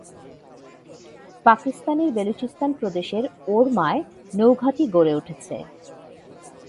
পাকিস্তানের বেলুচিস্তান প্রদেশের ওরমায় নৌঘাঁটি গড়ে উঠেছে।